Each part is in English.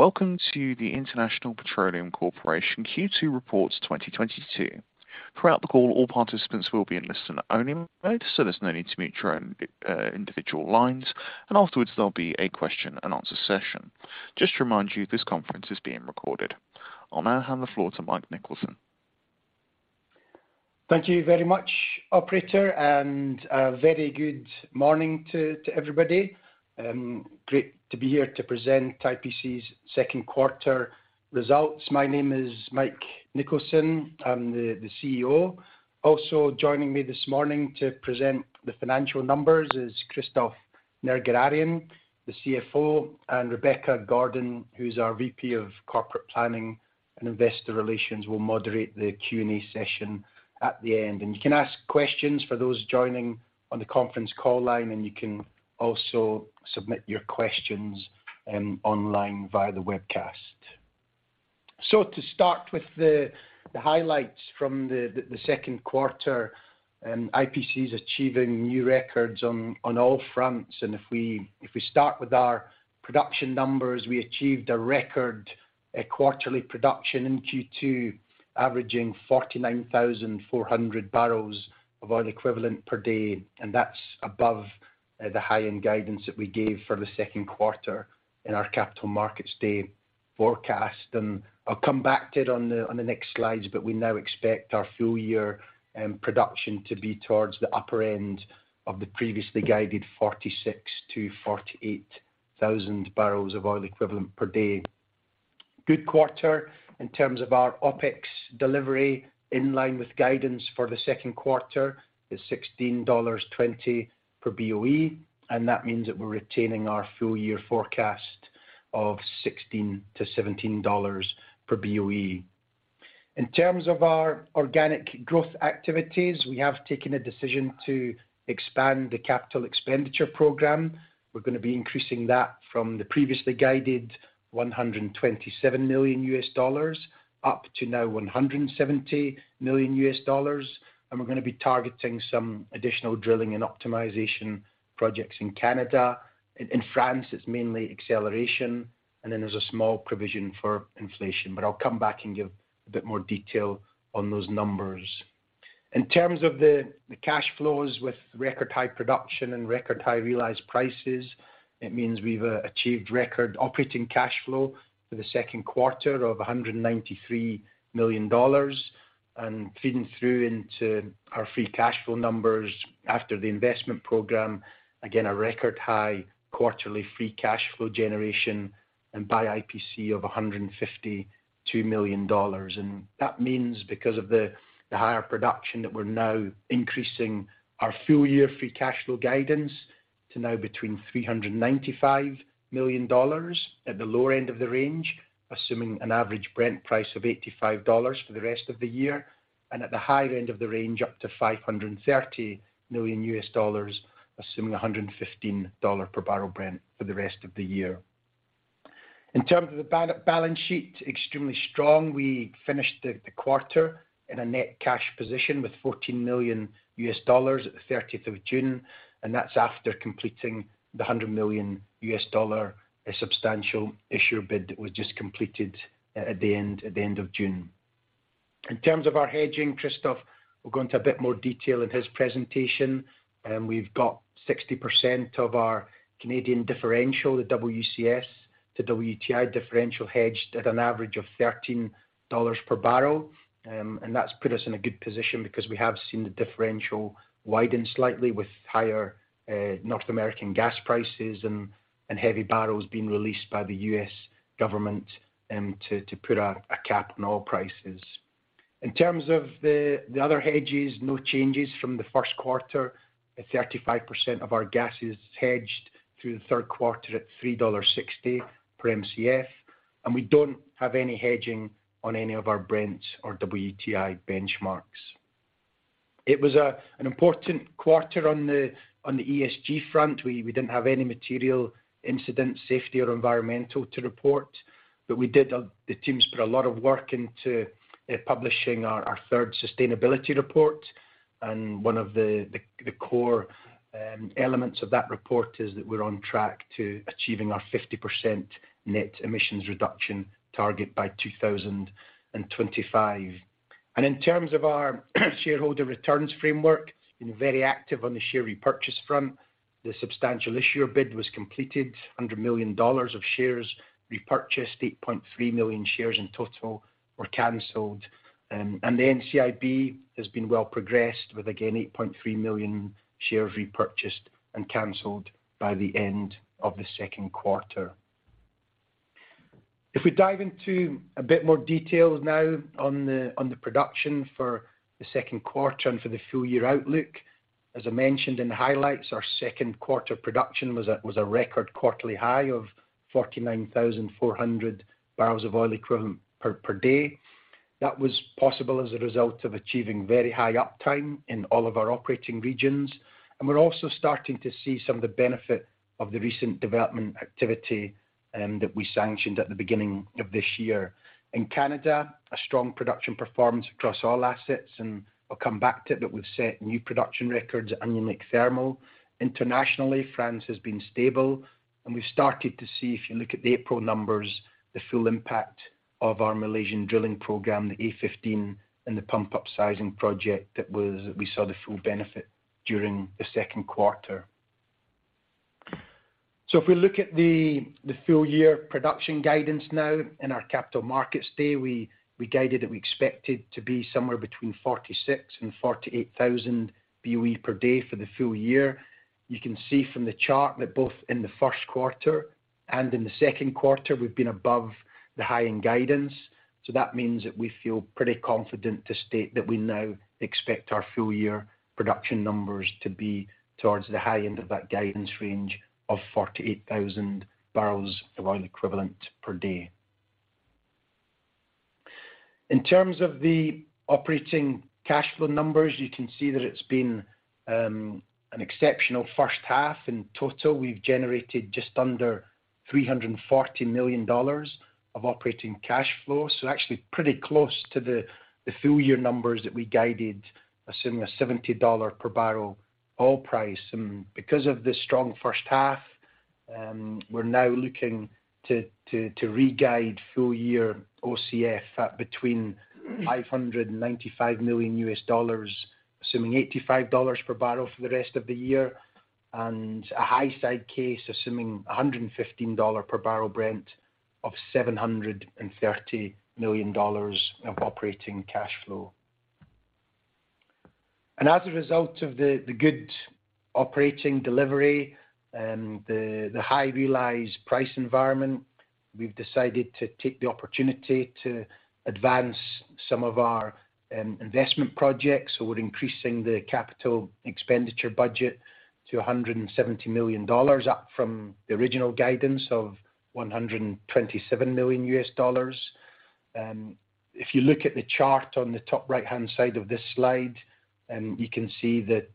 Welcome to the International Petroleum Corp. Q2 Report 2022. Throughout the call, all participants will be in listen-only mode, so there's no need to mute your own individual lines. Afterwards, there'll be a question and answer session. Just to remind you, this conference is being recorded. I'll now hand the floor to Mike Nicholson. Thank you very much, operator. A very good morning to everybody. Great to be here to present IPC's second quarter results. My name is Mike Nicholson. I'm the CEO. Also joining me this morning to present the financial numbers is Christophe Nerguerian, the CFO, and Rebecca Gordon, who's our VP of Corporate Planning and Investor Relations, will moderate the Q&A session at the end. You can ask questions for those joining on the conference call line, and you can also submit your questions online via the webcast. To start with the highlights from the second quarter, IPC is achieving new records on all fronts. If we start with our production numbers, we achieved a record quarterly production in Q2, averaging 49,400 barrels of oil equivalent per day. That's above the high-end guidance that we gave for the second quarter in our capital markets day forecast. I'll come back to it on the next slides, but we now expect our full year production to be towards the upper end of the previously guided 46,000-48,000 barrels of oil equivalent per day. Good quarter in terms of our OpEx delivery in line with guidance for the second quarter is $16.20 per BOE, and that means that we're retaining our full year forecast of $16-$17 per BOE. In terms of our organic growth activities, we have taken a decision to expand the capital expenditure program. We're gonna be increasing that from the previously guided $127 million up to now $170 million. We're gonna be targeting some additional drilling and optimization projects in Canada. In France, it's mainly acceleration. There's a small provision for inflation. I'll come back and give a bit more detail on those numbers. In terms of the cash flows with record high production and record high realized prices, it means we've achieved record operating cash flow for the second quarter of $193 million. Feeding through into our free cash flow numbers after the investment program, again, a record high quarterly free cash flow generation and by IPC of $152 million. That means because of the higher production that we're now increasing our full year free cash flow guidance to now between $395 million at the lower end of the range, assuming an average Brent price of $85 for the rest of the year, and at the higher end of the range, up to $530 million, assuming a $115 per barrel Brent for the rest of the year. In terms of the balance sheet, extremely strong. We finished the quarter in a net cash position with $14 million at June 30, and that's after completing the $100 million substantial issuer bid that was just completed at the end of June. In terms of our hedging, Christophe will go into a bit more detail in his presentation. We've got 60% of our Canadian differential, the WCS to WTI differential hedged at an average of $13 per barrel. And that's put us in a good position because we have seen the differential widen slightly with higher North American gas prices and heavy barrels being released by the U.S. government to put a cap on oil prices. In terms of the other hedges, no changes from the first quarter. 35% of our gas is hedged through the third quarter at $3.60 per Mcf, and we don't have any hedging on any of our Brent or WTI benchmarks. It was an important quarter on the ESG front. We didn't have any material incident, safety or environmental to report, but the teams put a lot of work into publishing our third sustainability report. One of the core elements of that report is that we're on track to achieving our 50% net emissions reduction target by 2025. In terms of our shareholder returns framework, been very active on the share repurchase front. The substantial issuer bid was completed, $100 million of shares repurchased. 8.3 million shares in total were canceled. The NCIB has been well progressed with, again, 8.3 million shares repurchased and canceled by the end of the second quarter. If we dive into a bit more details now on the production for the second quarter and for the full year outlook. As I mentioned in the highlights, our second quarter production was a record quarterly high of 49,400 barrels of oil equivalent per day. That was possible as a result of achieving very high uptime in all of our operating regions. We're also starting to see some of the benefit of the recent development activity that we sanctioned at the beginning of this year. In Canada, a strong production performance across all assets, and I'll come back to it, but we've set new production records at Onion Lake Thermal. Internationally, France has been stable and we've started to see, if you look at the April numbers, the full impact of our Malaysian drilling program, the A-15 and the pump up sizing project, we saw the full benefit during the second quarter. If we look at the full year production guidance now in our capital markets day, we guided that we expected to be somewhere between 46,000 and 48,000 BOE per day for the full year. You can see from the chart that both in the first quarter and in the second quarter, we've been above the high end guidance. That means that we feel pretty confident to state that we now expect our full year production numbers to be towards the high end of that guidance range of 48,000 barrels of oil equivalent per day. In terms of the operating cash flow numbers, you can see that it's been an exceptional first half. In total, we've generated just under $340 million of operating cash flow. Actually pretty close to the full year numbers that we guided, assuming a $70 per barrel oil price. Because of the strong first half, we're now looking to re-guide full year OCF at between $595 million, assuming $85 per barrel for the rest of the year, and a high side case, assuming a $115 per barrel Brent of $730 million of operating cash flow. As a result of the good operating delivery and the high realized price environment, we've decided to take the opportunity to advance some of our investment projects. We're increasing the capital expenditure budget to $170 million, up from the original guidance of $127 million. If you look at the chart on the top right-hand side of this slide, you can see that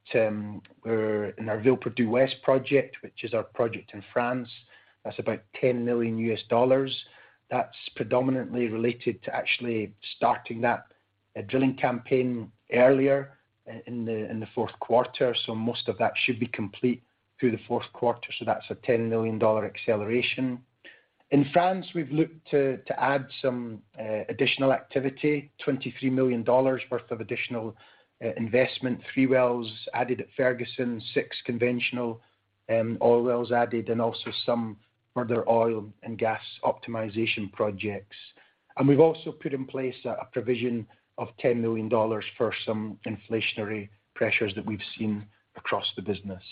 we're in our Villeperdue West project, which is our project in France. That's about $10 million. That's predominantly related to actually starting that drilling campaign earlier in the fourth quarter. Most of that should be complete through the fourth quarter. That's a $10 million acceleration. In France, we've looked to add some additional activity, $23 million worth of additional investment, three wells added at Ferguson, six conventional oil wells added, and also some further oil and gas optimization projects. We've also put in place a provision of $10 million for some inflationary pressures that we've seen across the business.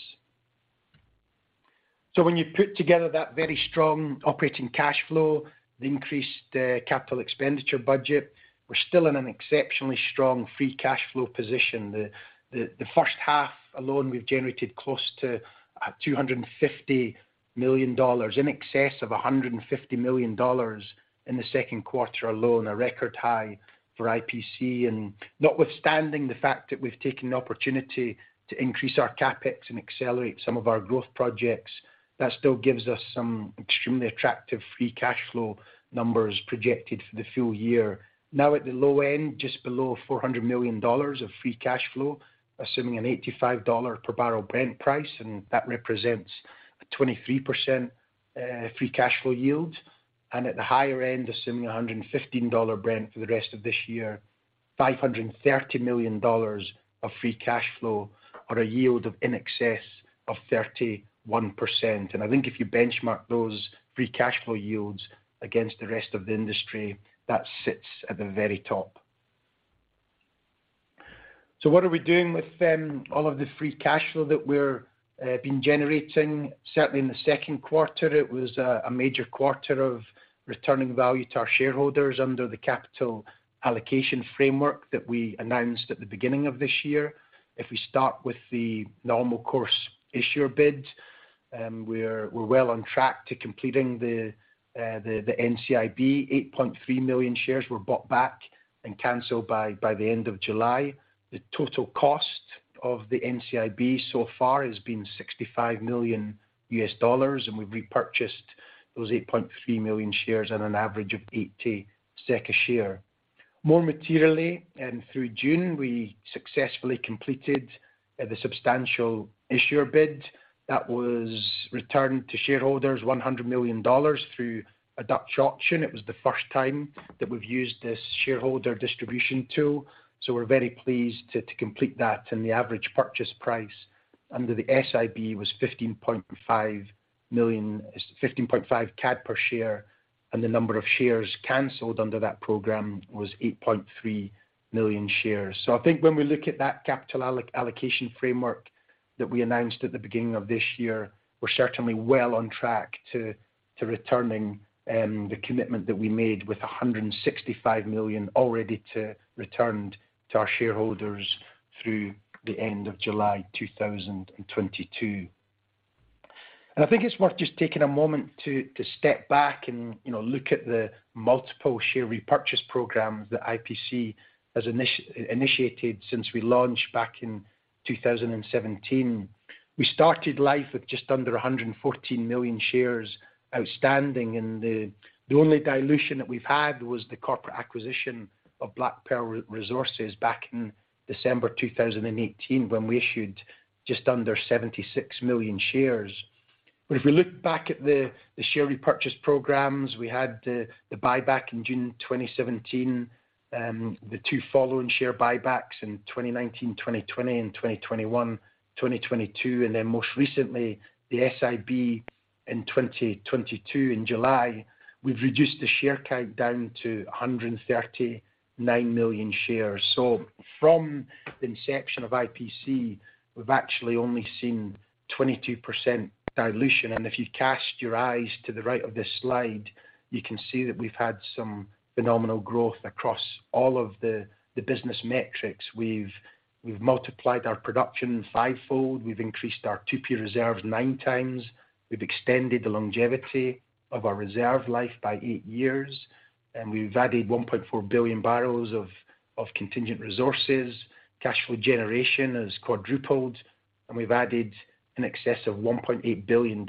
When you put together that very strong operating cash flow, the increased capital expenditure budget, we're still in an exceptionally strong free cash flow position. The first half alone, we've generated close to $250 million, in excess of $150 million in the second quarter alone, a record high for IPC. Notwithstanding the fact that we've taken the opportunity to increase our CapEx and accelerate some of our growth projects, that still gives us some extremely attractive free cash flow numbers projected for the full year. Now at the low end, just below $400 million of free cash flow, assuming an $85 per barrel Brent price, and that represents a 23% free cash flow yield. At the higher end, assuming a $115 Brent for the rest of this year, $530 million of free cash flow or a yield of in excess of 31%. I think if you benchmark those free cash flow yields against the rest of the industry, that sits at the very top. What are we doing with all of the free cash flow that we've been generating? Certainly in the second quarter, it was a major quarter of returning value to our shareholders under the capital allocation framework that we announced at the beginning of this year. If we start with the normal course issuer bid, we're well on track to completing the NCIB. 8.3 million shares were bought back and canceled by the end of July. The total cost of the NCIB so far has been $65 million, and we've repurchased those 8.3 million shares at an average of 80 cents a share. More materially and through June, we successfully completed the substantial issuer bid that returned to shareholders $100 million through a Dutch auction. It was the first time that we've used this shareholder distribution tool. We're very pleased to complete that. The average purchase price under the SIB was 15.5 CAD per share, and the number of shares canceled under that program was 8.3 million shares. I think when we look at that capital allocation framework that we announced at the beginning of this year, we're certainly well on track to returning the commitment that we made with $165 million already returned to our shareholders through the end of July 2022. I think it's worth just taking a moment to step back and, you know, look at the multiple share repurchase programs that IPC has initiated since we launched back in 2017. We started life with just under 114 million shares outstanding, and the only dilution that we've had was the corporate acquisition of BlackPearl Resources back in December 2018, when we issued just under 76 million shares. If we look back at the share repurchase programs, we had the buyback in June 2017, the two following share buybacks in 2019, 2020 and 2021, 2022, and then most recently, the SIB in 2022 in July. We've reduced the share count down to 139 million shares. From the inception of IPC, we've actually only seen 22% dilution. If you cast your eyes to the right of this slide, you can see that we've had some phenomenal growth across all of the business metrics. We've multiplied our production fivefold. We've increased our 2P reserves nine times. We've extended the longevity of our reserve life by eight years, and we've added 1.4 billion barrels of contingent resources. Cash flow generation has quadrupled, and we've added in excess of $1.8 billion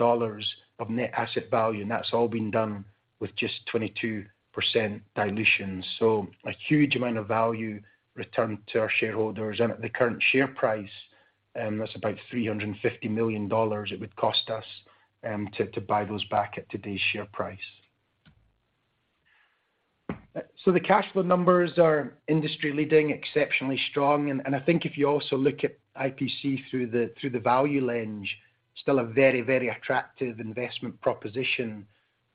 of net asset value, and that's all been done with just 22% dilution. A huge amount of value returned to our shareholders. At the current share price, that's about $350 million it would cost us to buy those back at today's share price. The cash flow numbers are industry-leading, exceptionally strong. I think if you also look at IPC through the value lens, still a very, very attractive investment proposition.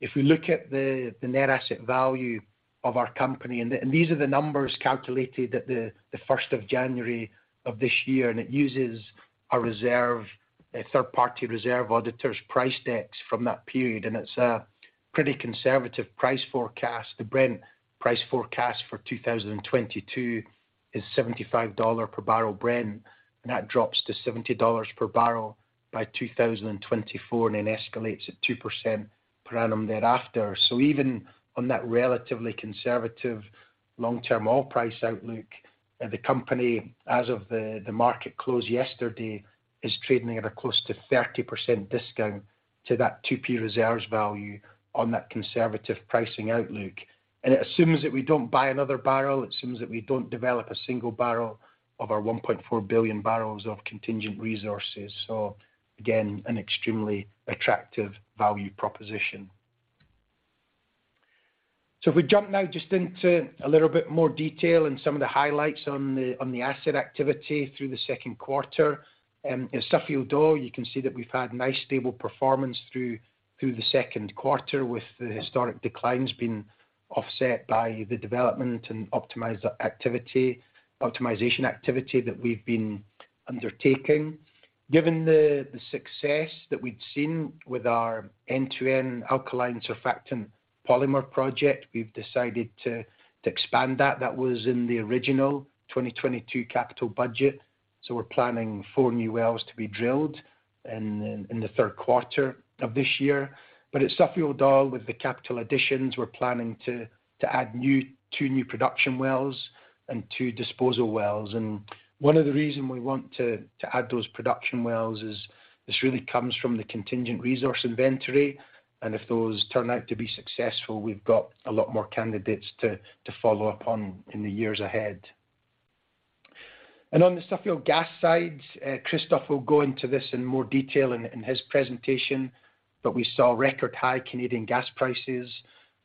If we look at the net asset value of our company, and these are the numbers calculated at January 1, this year. It uses a reserve, a third-party reserve auditor's price decks from that period, and it's a pretty conservative price forecast. The Brent price forecast for 2022 is $75 per barrel Brent, and that drops to $70 per barrel by 2024 and then escalates at 2% per annum thereafter. Even on that relatively conservative long-term oil price outlook, the company, as of the market close yesterday, is trading at a close to 30% discount to that 2P reserves value on that conservative pricing outlook. It assumes that we don't buy another barrel. It assumes that we don't develop a single barrel of our 1.4 billion barrels of contingent resources. Again, an extremely attractive value proposition. If we jump now just into a little bit more detail in some of the highlights on the asset activity through the second quarter. In Suffield, you can see that we've had nice stable performance through the second quarter with the historic declines being offset by the development and optimization activity that we've been undertaking. Given the success that we'd seen with our end-to-end alkaline surfactant polymer project, we've decided to expand that. That was in the original 2022 capital budget. We're planning four new wells to be drilled in the third quarter of this year. At Suffield, with the capital additions, we're planning to add two new production wells and two disposal wells. One of the reason we want to add those production wells is this really comes from the contingent resource inventory. If those turn out to be successful, we've got a lot more candidates to follow up on in the years ahead. On the Suffield gas side, Christophe will go into this in more detail in his presentation. We saw record high Canadian gas prices.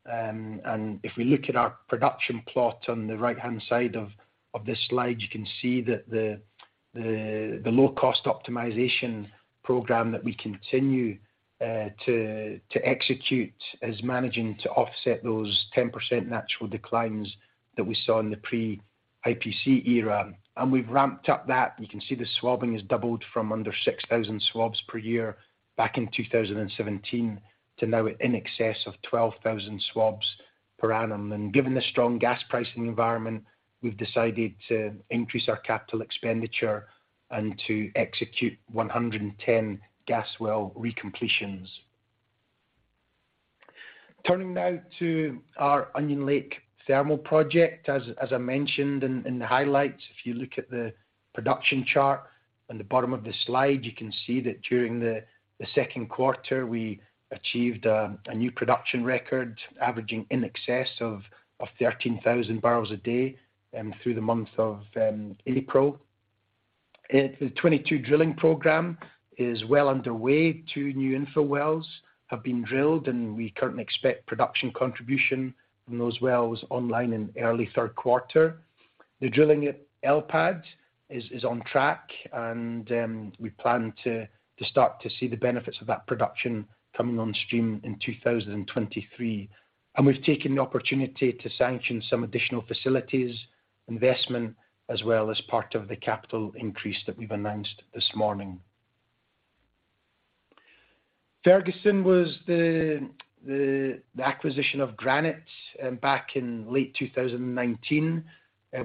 If we look at our production plot on the right-hand side of this slide, you can see that the low-cost optimization program that we continue to execute is managing to offset those 10% natural declines that we saw in the pre-IPC era. We've ramped up that. You can see the swabbing has doubled from under 6,000 swabs per year back in 2017 to now in excess of 12,000 swabs per annum. Given the strong gas pricing environment, we've decided to increase our capital expenditure and to execute 110 gas well recompletions. Turning now to our Onion Lake thermal project. As I mentioned in the highlights, if you look at the production chart on the bottom of the slide, you can see that during the second quarter, we achieved a new production record averaging in excess of 13,000 barrels a day through the month of April. The 22 drilling program is well underway. Two new infill wells have been drilled, and we currently expect production contribution from those wells online in early third quarter. The drilling at L pad is on track, and we plan to start to see the benefits of that production coming on stream in 2023. We've taken the opportunity to sanction some additional facilities investment as well as part of the capital increase that we've announced this morning. Following the acquisition of Granite back in late 2019.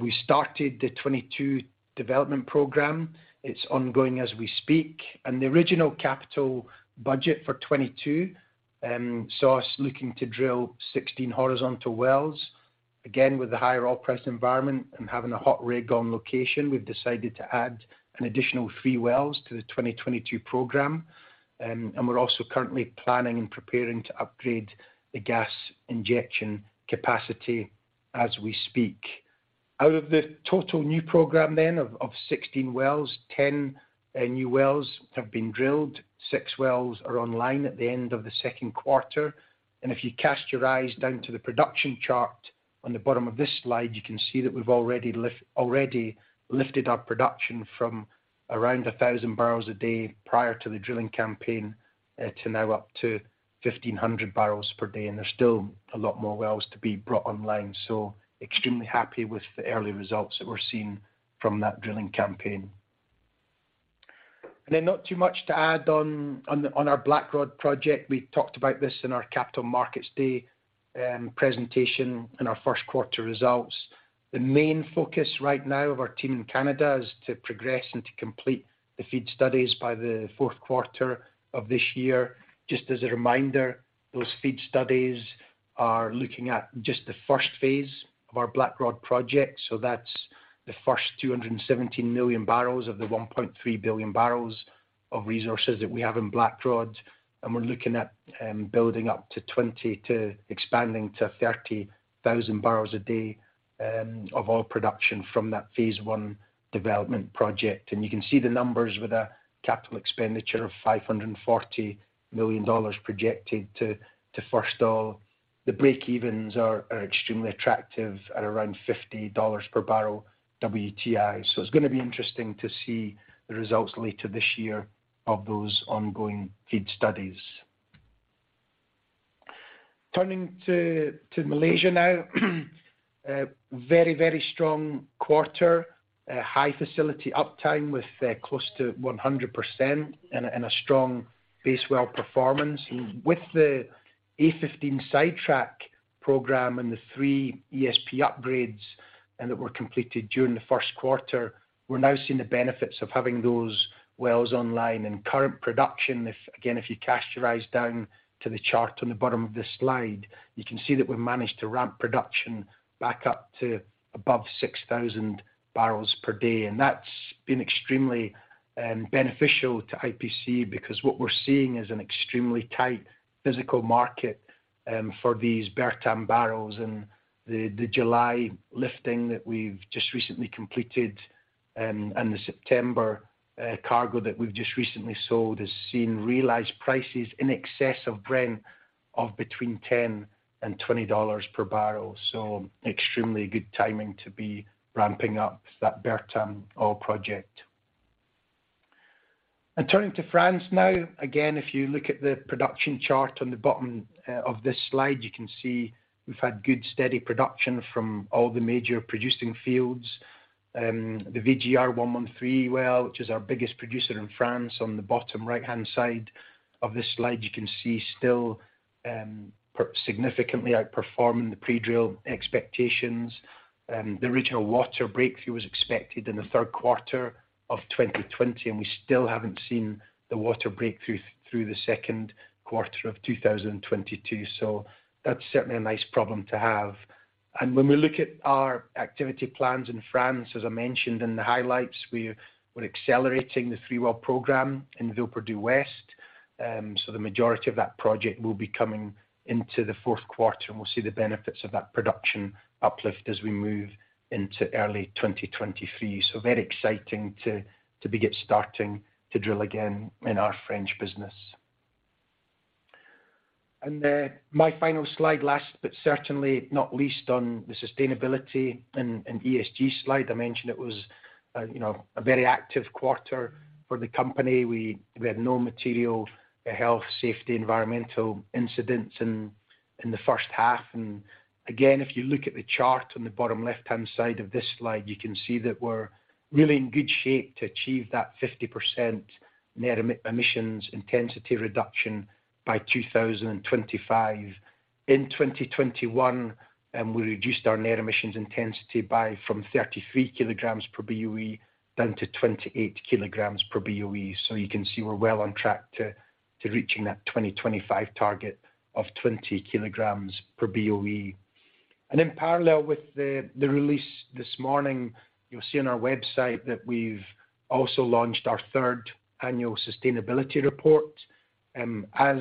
We started the 2022 development program. It's ongoing as we speak. The original capital budget for 2022 saw us looking to drill 16 horizontal wells. Again, with the higher oil price environment and having a hot rig on location, we've decided to add an additional three wells to the 2022 program. We're also currently planning and preparing to upgrade the gas injection capacity as we speak. Out of the total new program of 16 wells, 10 new wells have been drilled, six wells are online at the end of the second quarter. If you cast your eyes down to the production chart on the bottom of this slide, you can see that we've already lifted our production from around 1,000 barrels a day prior to the drilling campaign to now up to 1,500 barrels per day. There's still a lot more wells to be brought online. Extremely happy with the early results that we're seeing from that drilling campaign. Then not too much to add on our Blackrod project. We talked about this in our Capital Markets Day presentation in our first quarter results. The main focus right now of our team in Canada is to progress and to complete the FEED studies by the fourth quarter of this year. Just as a reminder, those FEED studies are looking at just the first phase of our Blackrod project. That's the first 217 million barrels of the 1.3 billion barrels of resources that we have in Blackrod. We're looking at building up to 20 to expanding to 30,000 barrels a day of oil production from that phase one development project. You can see the numbers with a capital expenditure of $540 million projected to first oil. The breakevens are extremely attractive at around $50 per barrel WTI. It's gonna be interesting to see the results later this year of those ongoing FEED studies. Turning to Malaysia now. Very strong quarter. High facility uptime with close to 100% and a strong base well performance. With the A-15 sidetrack program and the three ESP upgrades that were completed during the first quarter, we're now seeing the benefits of having those wells online. Current production, again, if you cast your eyes down to the chart on the bottom of this slide, you can see that we've managed to ramp production back up to above 6,000 barrels per day. That's been extremely beneficial to IPC because what we're seeing is an extremely tight physical market for these Bertam barrels. The July lifting that we've just recently completed, and the September cargo that we've just recently sold has seen realized prices in excess of Brent of between $10 and $20 per barrel. Extremely good timing to be ramping up that Bertam oil project. Turning to France now. Again, if you look at the production chart on the bottom of this slide, you can see we've had good steady production from all the major producing fields. The VGR 113 well, which is our biggest producer in France on the bottom right-hand side of this slide, you can see still significantly outperforming the pre-drill expectations. The original water breakthrough was expected in the third quarter of 2020, and we still haven't seen the water breakthrough through the second quarter of 2022. That's certainly a nice problem to have. When we look at our activity plans in France, as I mentioned in the highlights, we're accelerating the three-well program in Villeperdue West. The majority of that project will be coming into the fourth quarter, and we'll see the benefits of that production uplift as we move into early 2023. Very exciting to be getting started to drill again in our French business. My final slide, last but certainly not least on the sustainability and ESG slide. I mentioned it was, you know, a very active quarter for the company. We had no material health, safety, environmental incidents in the first half. Again, if you look at the chart on the bottom left-hand side of this slide, you can see that we're really in good shape to achieve that 50% net emissions intensity reduction by 2025. In 2021, we reduced our net emissions intensity from 33 kilograms per BOE down to 28 kilograms per BOE. You can see we're well on track to reaching that 2025 target of 20 kilograms per BOE. In parallel with the release this morning, you'll see on our website that we've also launched our third annual sustainability report. As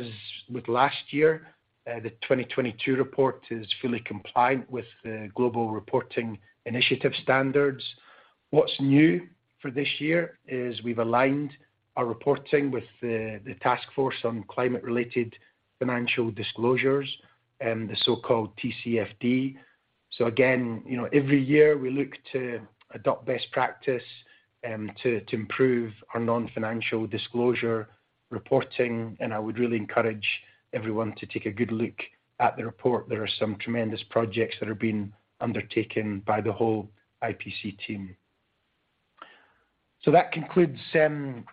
with last year, the 2022 report is fully compliant with the Global Reporting Initiative standards. What's new for this year is we've aligned our reporting with the Task Force on Climate-related Financial Disclosures, the so-called TCFD. Again, you know, every year, we look to adopt best practice to improve our non-financial disclosure reporting, and I would really encourage everyone to take a good look at the report. There are some tremendous projects that are being undertaken by the whole IPC team. That concludes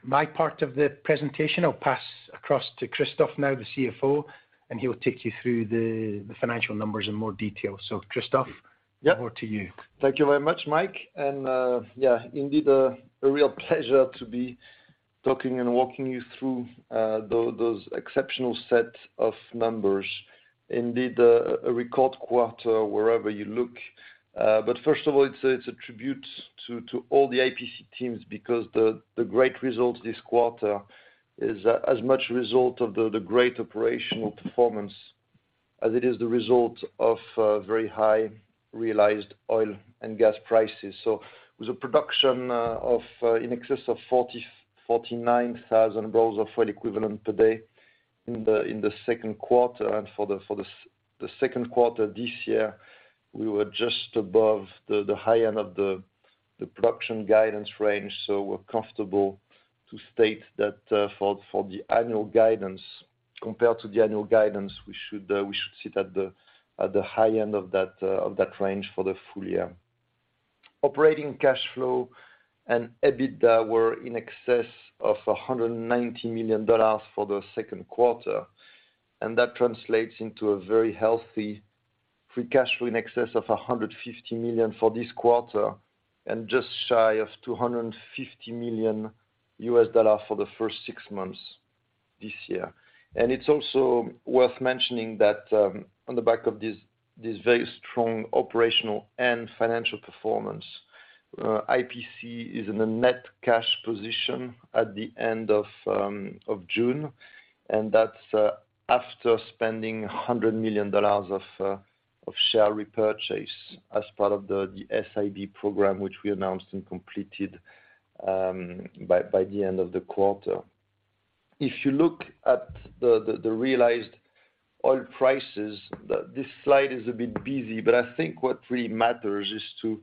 my part of the presentation. I'll pass across to Christophe now, the CFO, and he will take you through the financial numbers in more detail. Christophe- Yep. Over to you. Thank you very much, Mike. Yeah, indeed, a real pleasure to be talking and walking you through those exceptional set of numbers. Indeed, a record quarter wherever you look. But first of all, it's a tribute to all the IPC teams because the great results this quarter is as much a result of the great operational performance as it is the result of very high realized oil and gas prices. With a production of in excess of 49,000 barrels of oil equivalent per day in the second quarter this year, we were just above the high end of the production guidance range. We're comfortable to state that for the annual guidance, we should sit at the high end of that range for the full year. Operating cash flow and EBITDA were in excess of $190 million for the second quarter. That translates into a very healthy free cash flow in excess of $150 million for this quarter and just shy of $250 million for the first six months this year. It's also worth mentioning that on the back of this very strong operational and financial performance, IPC is in a net cash position at the end of June. That's after spending $100 million of share repurchase as part of the NCIB program, which we announced and completed by the end of the quarter. If you look at the realized oil prices, this slide is a bit busy, but I think what really matters is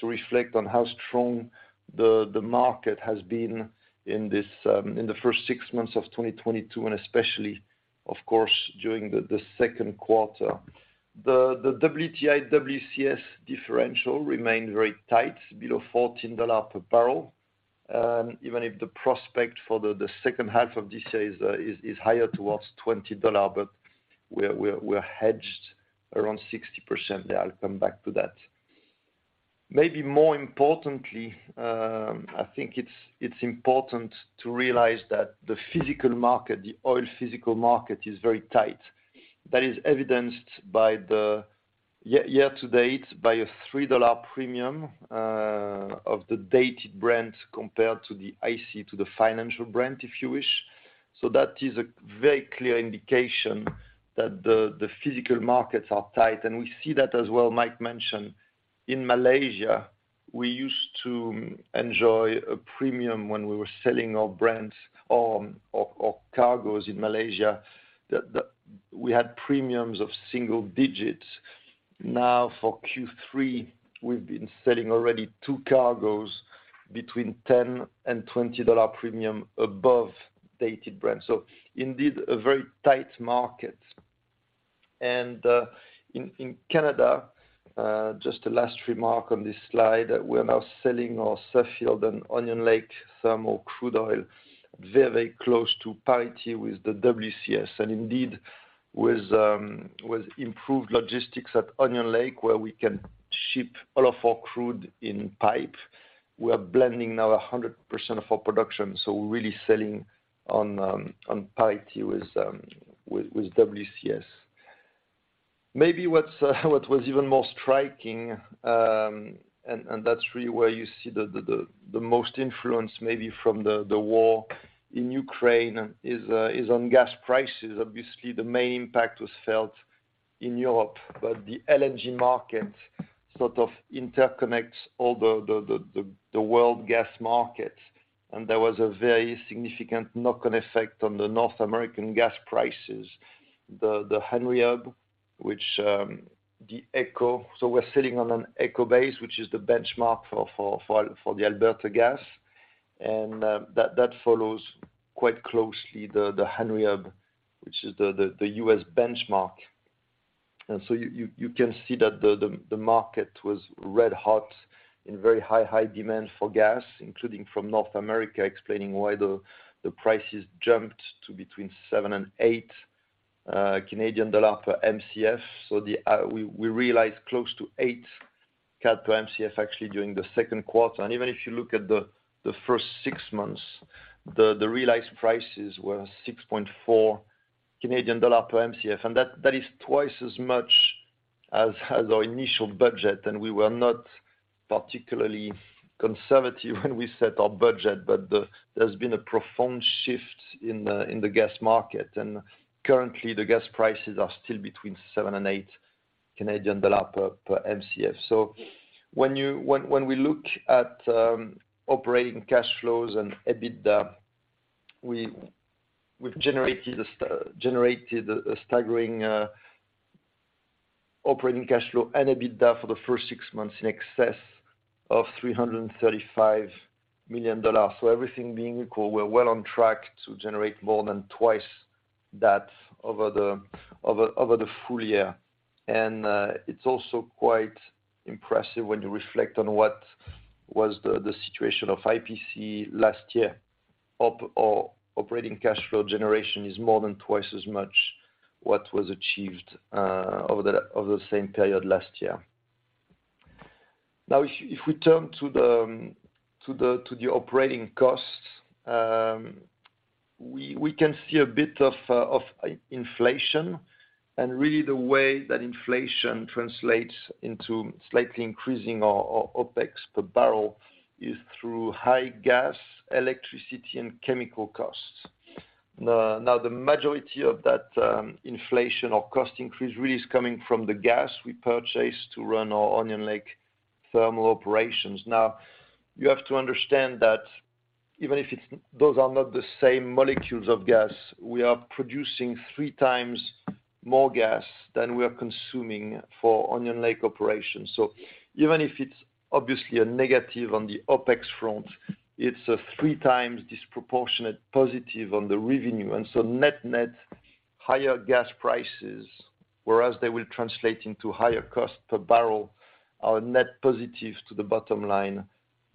to reflect on how strong the market has been in the first six months of 2022, and especially, of course, during the second quarter. The WTI, WCS differential remained very tight, below $14 per barrel. Even if the prospect for the second half of this year is higher towards $20, but we're hedged around 60%. Yeah, I'll come back to that. Maybe more importantly, I think it's important to realize that the physical market, the oil physical market, is very tight. That is evidenced by the year to date by a $3 premium of the Dated Brent compared to the ICE, to the financial Brent, if you wish. That is a very clear indication that the physical markets are tight. We see that as well, Mike mentioned, in Malaysia, we used to enjoy a premium when we were selling our Brent or cargoes in Malaysia. We had premiums of single digits. Now for Q3, we've been selling already two cargoes between $10-$20 premium above Dated Brent. Indeed, a very tight market. In Canada, just a last remark on this slide, we are now selling our Suffield and Onion Lake thermal crude oil very close to parity with the WCS. Indeed, with improved logistics at Onion Lake, where we can ship all of our crude in pipe, we are blending now 100% of our production. We're really selling on parity with WCS. Maybe what was even more striking, and that's really where you see the most influence maybe from the war in Ukraine is on gas prices. Obviously, the main impact was felt in Europe, but the LNG market sort of interconnects all of the world gas markets. There was a very significant knock-on effect on the North American gas prices. We're sitting on an AECO base, which is the benchmark for the Alberta gas. That follows quite closely the Henry Hub, which is the U.S. benchmark. You can see that the market was red hot in very high demand for gas, including from North America, explaining why the prices jumped to between 7 and 8 per Mcf. We realized close to 8 CAD per Mcf actually during the second quarter. Even if you look at the first six months, the realized prices were 6.4 Canadian dollar per Mcf, and that is twice as much as our initial budget. We were not particularly conservative when we set our budget, but there's been a profound shift in the gas market. Currently, the gas prices are still between 7-8 Canadian dollar per Mcf. When we look at operating cash flows and EBITDA, we've generated a staggering operating cash flow and EBITDA for the first six months in excess of $335 million. Everything being equal, we're well on track to generate more than twice that over the full year. It's also quite impressive when you reflect on what was the situation of IPC last year. Operating cash flow generation is more than twice as much what was achieved over the same period last year. Now if we turn to the operating costs, we can see a bit of inflation. Really the way that inflation translates into slightly increasing our OpEx per barrel is through high gas, electricity, and chemical costs. Now, the majority of that inflation or cost increase really is coming from the gas we purchase to run our Onion Lake thermal operations. Now, you have to understand that even if it's those are not the same molecules of gas, we are producing three times more gas than we are consuming for Onion Lake operations. Even if it's obviously a negative on the OpEx front, it's a three times disproportionate positive on the revenue. Net-net higher gas prices, whereas they will translate into higher cost per barrel, are net positive to the bottom line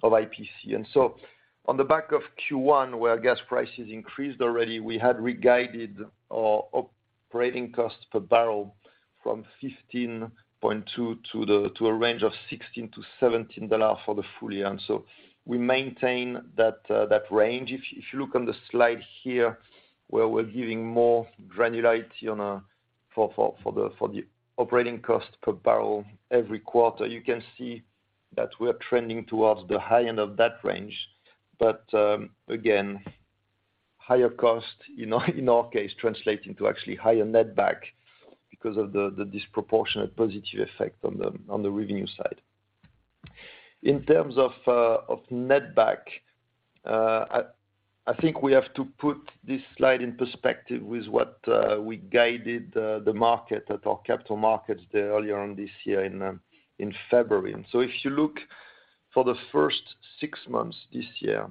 of IPC. On the back of Q1 where gas prices increased already, we had re-guided our operating cost per barrel from $15.2 to a range of $16-$17 for the full year. We maintain that range. If you look on the slide here, where we're giving more granularity on the operating cost per barrel every quarter, you can see that we're trending towards the high end of that range. But again, higher cost, you know, in our case translating to actually higher net back because of the disproportionate positive effect on the revenue side. In terms of net back, I think we have to put this slide in perspective with what we guided the market at our capital markets day earlier on this year in February. If you look for the first six months this year,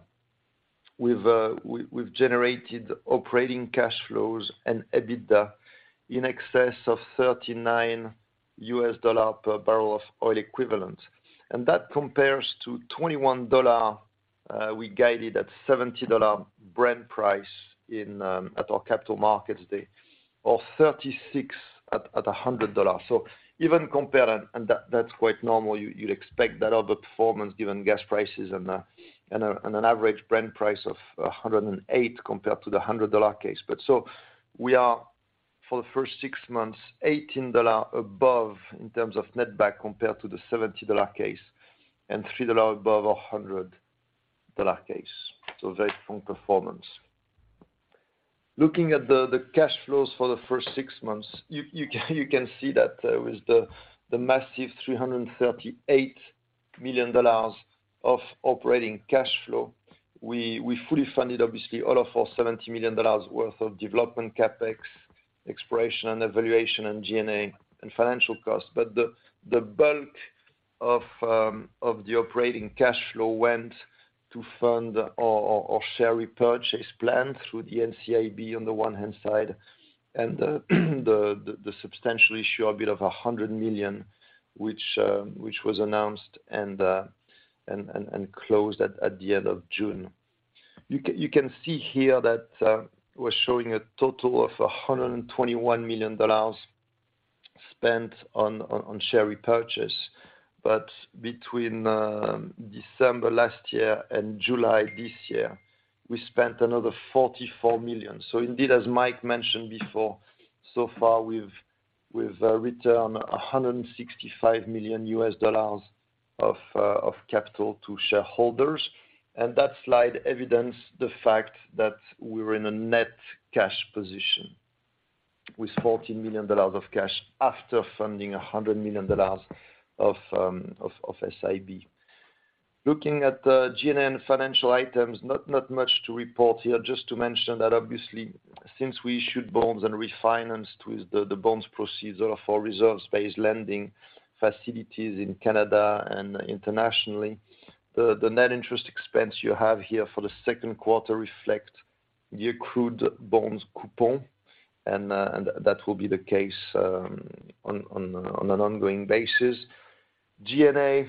we've generated operating cash flows and EBITDA in excess of $39 per barrel of oil equivalent. That compares to $21 we guided at $70 Brent price at our capital markets day, or $36 at $100. Even compared and that's quite normal. You'd expect that of the performance given gas prices and an average Brent price of 108 compared to the $100 case. We are for the first six months, $18 above in terms of net back compared to the $70 case and $3 above a $100 case. Very strong performance. Looking at the cash flows for the first six months, you can see that, with the massive $338 million of operating cash flow, we fully funded obviously all of our $70 million worth of development CapEx, exploration and evaluation and G&A and financial costs. The bulk of the operating cash flow went to fund our share repurchase plan through the NCIB on the one hand side and the substantial issuer bid of $100 million, which was announced and closed at the end of June. You can see here that we're showing a total of $121 million spent on share repurchase. Between December last year and July this year, we spent another $44 million. Indeed, as Mike mentioned before, so far we've returned $165 million of capital to shareholders. That slide evidence the fact that we're in a net cash position with $14 million of cash after funding $100 million of SIB. Looking at the G&A and financial items, not much to report here, just to mention that obviously since we issued bonds and refinanced with the bonds procedure for reserves-based lending facilities in Canada and internationally, the net interest expense you have here for the second quarter reflect the accrued bonds coupon, and that will be the case on an ongoing basis. G&A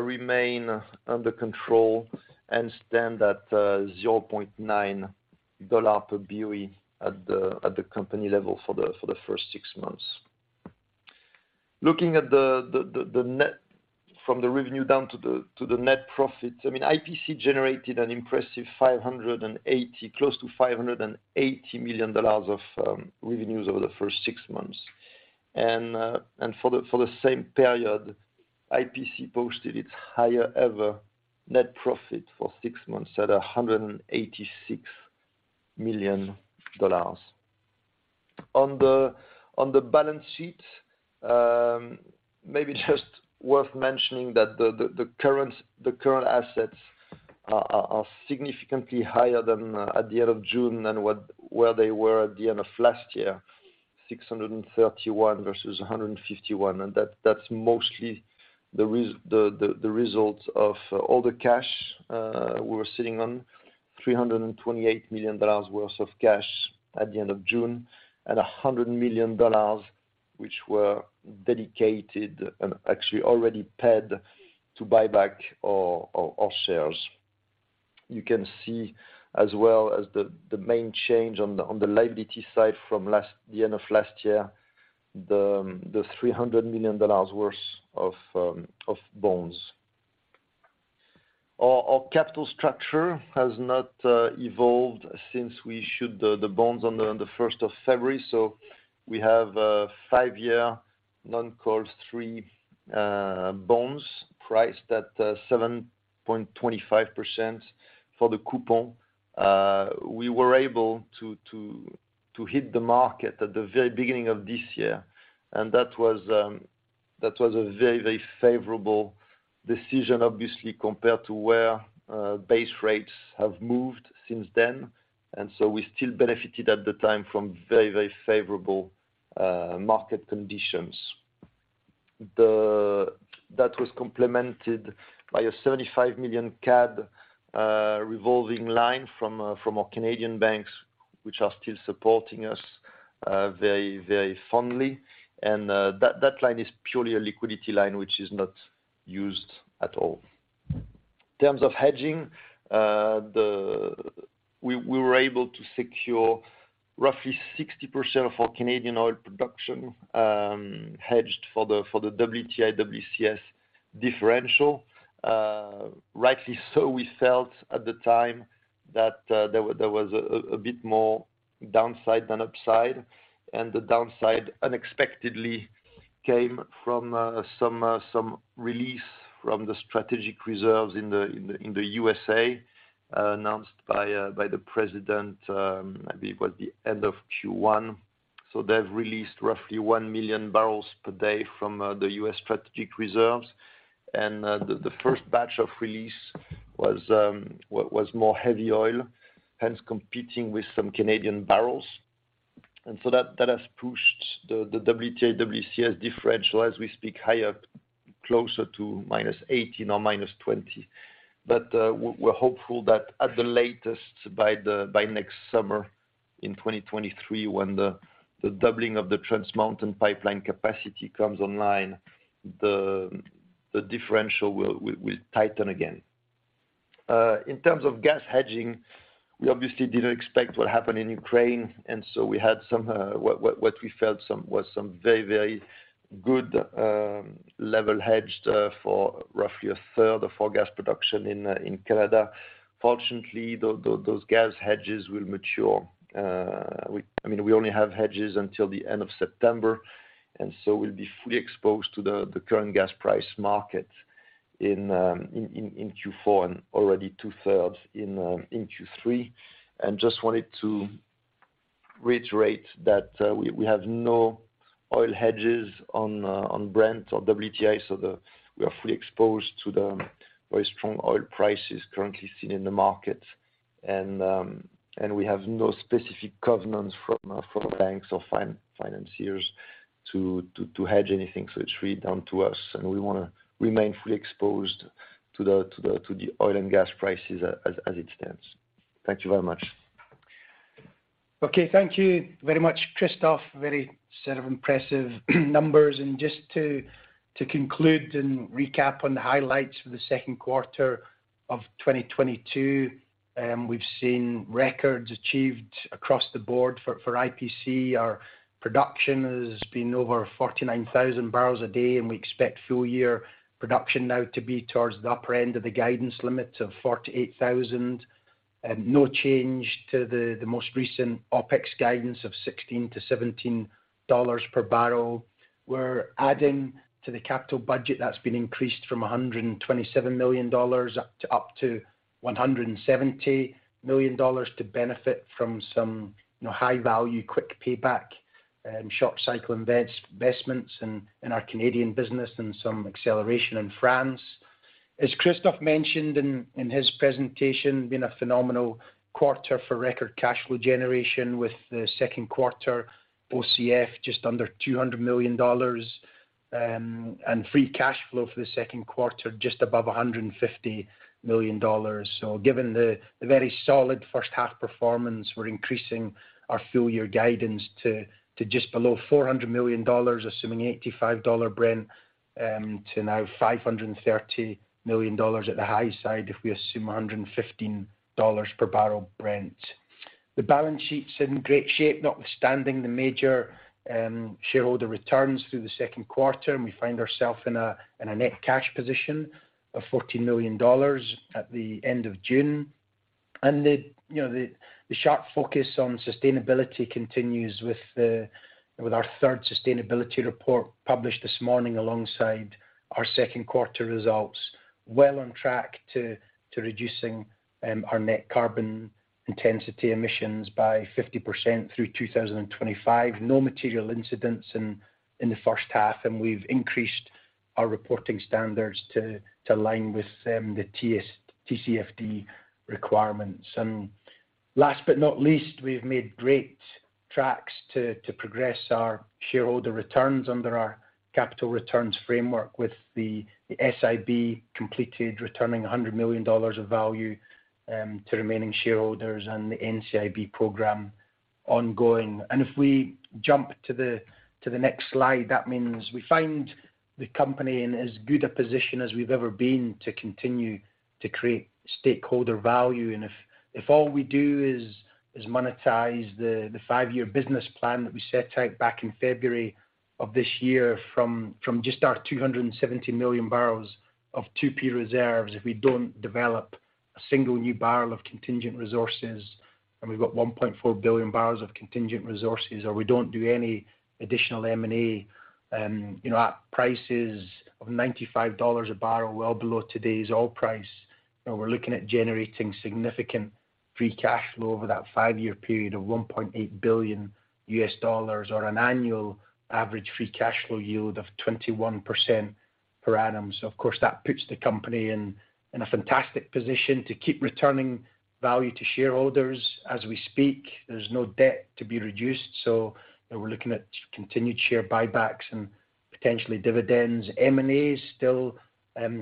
remain under control and stand at $0.9 per BOE at the company level for the first six months. Looking at the net from the revenue down to the net profit, I mean IPC generated an impressive $580, close to $580 million dollars of revenues over the first six months. For the same period, IPC posted its highest ever net profit for six months at $186 million. On the balance sheet, maybe just worth mentioning that the current assets are significantly higher at the end of June than what they were at the end of last year, $631 million versus $151 million. That's mostly the result of all the cash we were sitting on, $328 million worth of cash at the end of June, and $100 million which were dedicated and actually already paid to buy back our shares. You can see as well as the main change on the liability side from the end of last year, the $300 million worth of bonds. Our capital structure has not evolved since we issued the bonds on February 1. We have a five-year non-call three bonds priced at 7.25% for the coupon. We were able to hit the market at the very beginning of this year, and that was a very favorable decision, obviously, compared to where base rates have moved since then. We still benefited at the time from very favorable market conditions. That was complemented by 35 million CAD revolving line from our Canadian banks, which are still supporting us very fondly. That line is purely a liquidity line, which is not used at all. In terms of hedging, we were able to secure roughly 60% of our Canadian oil production hedged for the WTI, WCS differential. Rightly so, we felt at the time that there was a bit more downside than upside, and the downside unexpectedly came from some release from the strategic reserves in the USA announced by the president. I believe it was the end of Q1. They've released roughly 1 million barrels per day from the U.S. strategic reserves. The first batch of release was more heavy oil, hence competing with some Canadian barrels. That has pushed the WTI, WCS differential as we speak higher, closer to -18 or -20. We're hopeful that at the latest by next summer in 2023 when the doubling of the Trans Mountain pipeline capacity comes online, the differential will tighten again. In terms of gas hedging, we obviously didn't expect what happened in Ukraine, and so we had some, what we felt was some very good level hedged for roughly a third of our gas production in Canada. Fortunately, those gas hedges will mature. I mean, we only have hedges until the end of September, and so we'll be fully exposed to the current gas price market in Q4 and already two-thirds in Q3. Just wanted to reiterate that, we have no oil hedges on Brent or WTI, so we are fully exposed to the very strong oil prices currently seen in the market. We have no specific covenants from banks or financiers to hedge anything, so it's really down to us, and we wanna remain fully exposed to the oil and gas prices as it stands. Thank you very much. Okay. Thank you very much, Christophe. Very set of impressive numbers. Just to conclude and recap on the highlights for the second quarter of 2022, we've seen records achieved across the board for IPC. Our production has been over 49,000 barrels a day, and we expect full year production now to be towards the upper end of the guidance limit of 48,000. No change to the most recent OpEx guidance of $16-$17 per barrel. We're adding to the capital budget that's been increased from $127 million up to $170 million to benefit from some, you know, high-value, quick payback, short cycle investments in our Canadian business and some acceleration in France. As Christophe mentioned in his presentation, it's been a phenomenal quarter for record cash flow generation with the second quarter OCF just under $200 million, and free cash flow for the second quarter just above $150 million. Given the very solid first half performance, we're increasing our full year guidance to just below $400 million, assuming $85 Brent, to now $530 million at the high side if we assume $115 per barrel Brent. The balance sheet's in great shape, notwithstanding the major shareholder returns through the second quarter, and we find ourself in a net cash position of $14 million at the end of June. The sharp focus on sustainability continues with our third sustainability report published this morning alongside our second quarter results, well on track to reducing our net carbon intensity emissions by 50% through 2025. No material incidents in the first half, and we've increased our reporting standards to align with the TCFD requirements. Last but not least, we've made great strides to progress our shareholder returns under our capital returns framework with the SIB completed, returning $100 million of value to remaining shareholders and the NCIB program ongoing. If we jump to the next slide, that means we find the company in as good a position as we've ever been to continue to create stakeholder value. If all we do is monetize the five-year business plan that we set out back in February of this year from just our 270 million barrels of 2P reserves, if we don't develop a single new barrel of contingent resources, and we've got 1.4 billion barrels of contingent resources, or we don't do any additional M&A, you know, at prices of $95 a barrel, well below today's oil price, you know, we're looking at generating significant free cash flow over that five-year period of $1.8 billion or an annual average free cash flow yield of 21% per annum. Of course, that puts the company in a fantastic position to keep returning value to shareholders. As we speak, there's no debt to be reduced, so, you know, we're looking at continued share buybacks and potentially dividends. M&A is still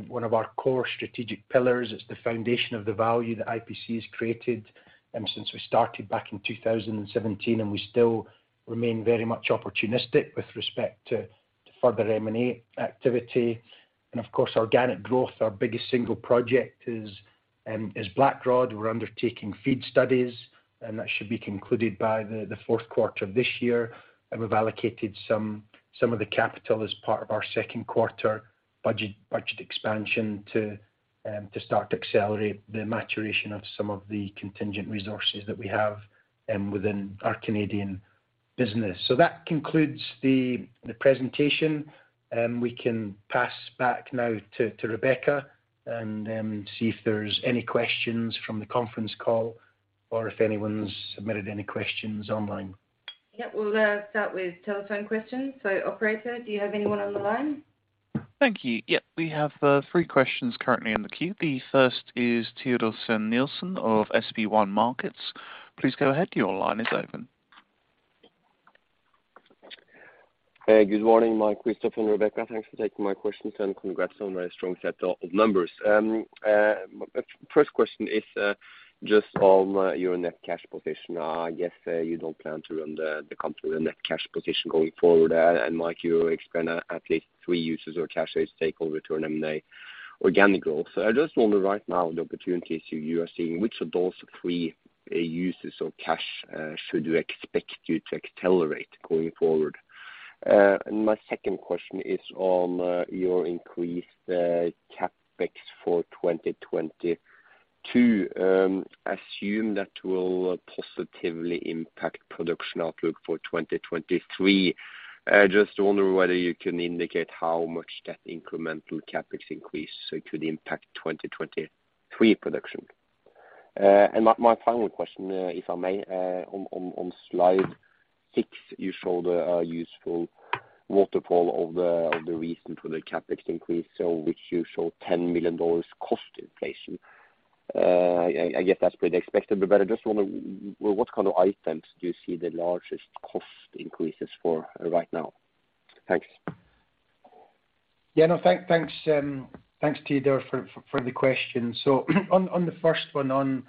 one of our core strategic pillars. It's the foundation of the value that IPC has created since we started back in 2017, and we still remain very much opportunistic with respect to further M&A activity. Of course, organic growth, our biggest single project is Blackrod. We're undertaking FEED studies, and that should be concluded by the fourth quarter of this year. We've allocated some of the capital as part of our second quarter budget expansion to start to accelerate the maturation of some of the contingent resources that we have within our Canadian business. That concludes the presentation. We can pass back now to Rebecca and see if there's any questions from the conference call or if anyone's submitted any questions online. Yeah. We'll start with telephone questions. Operator, do you have anyone on the line? Thank you. Yeah, we have three questions currently in the queue. The first is Teodor Sveen-Nilsen of SB1 Markets. Please go ahead. Your line is open. Good morning, Mike, Christophe, and Rebecca. Thanks for taking my questions, and congrats on a strong set of numbers. My first question is just on your net cash position. I guess you don't plan to run the company net cash position going forward. Mike, you explained at least three uses of cash: takeovers, M&A, organic growth. I just wonder right now the opportunities you are seeing, which of those three uses of cash should we expect you to accelerate going forward? My second question is on your increased CapEx for 2022. Assume that will positively impact production outlook for 2023. Just wonder whether you can indicate how much that incremental CapEx increase could impact 2023 production. My final question, if I may, on slide six, you show the usual waterfall of the reason for the CapEx increase, so which you show $10 million cost inflation. I guess that's pretty expected, but I just wonder what kind of items do you see the largest cost increases for right now? Thanks. Yeah, no. Thanks, Teodor, for the questions. On the first one, on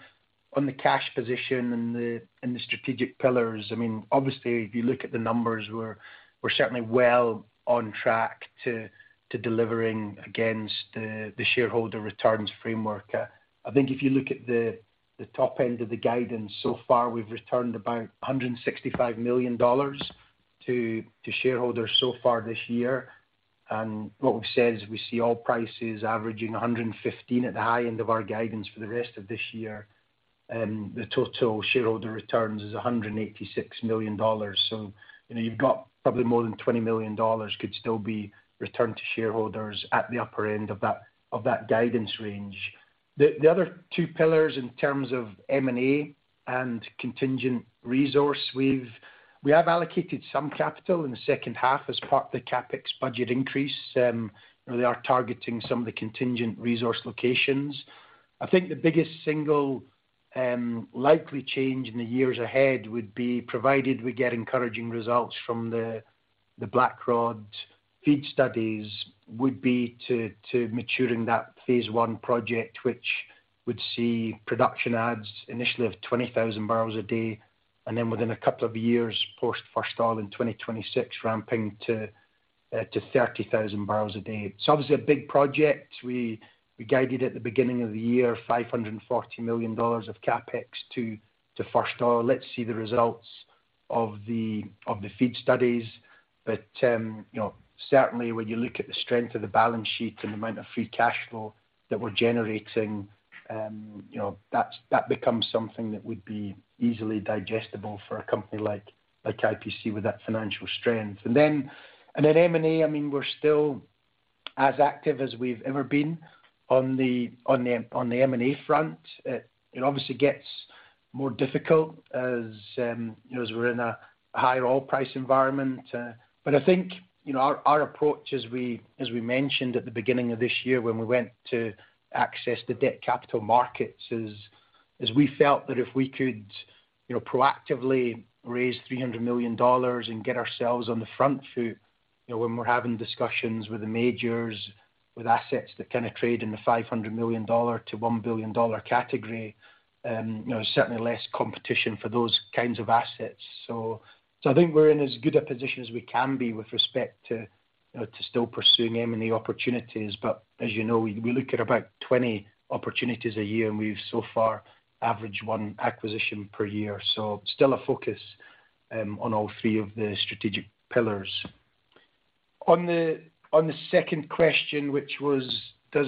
the cash position and the strategic pillars, I mean, obviously, if you look at the numbers, we're certainly well on track to delivering against the shareholder returns framework. I think if you look at the top end of the guidance so far, we've returned about $165 million to shareholders so far this year. What we've said is we see oil prices averaging $115 at the high end of our guidance for the rest of this year. The total shareholder returns is $186 million. You know, you've got probably more than $20 million could still be returned to shareholders at the upper end of that guidance range. The other two pillars in terms of M&A and contingent resource, we have allocated some capital in the second half as part of the CapEx budget increase. You know, they are targeting some of the contingent resource locations. I think the biggest single likely change in the years ahead would be, provided we get encouraging results from the Blackrod feed studies, to maturing that phase one project, which would see production adds initially of 20,000 barrels a day, and then within a couple of years post first oil in 2026, ramping to 30,000 barrels a day. It's obviously a big project. We guided at the beginning of the year, $540 million of CapEx to first oil. Let's see the results of the feed studies. You know, certainly when you look at the strength of the balance sheet and the amount of free cash flow that we're generating, you know, that becomes something that would be easily digestible for a company like IPC with that financial strength. M&A, I mean, we're still as active as we've ever been on the M&A front. It obviously gets more difficult as you know, as we're in a higher oil price environment. I think, you know, our approach as we mentioned at the beginning of this year when we went to access the debt capital markets is we felt that if we could, you know, proactively raise $300 million and get ourselves on the front foot, you know, when we're having discussions with the majors, with assets that kind of trade in the $500 million-$1 billion category, you know, certainly less competition for those kinds of assets. I think we're in as good a position as we can be with respect to still pursuing M&A opportunities. As you know, we look at about 20 opportunities a year, and we've so far averaged one acquisition per year. Still a focus on all three of the strategic pillars. On the second question, which was does